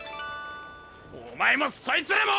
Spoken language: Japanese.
お前もそいつらも。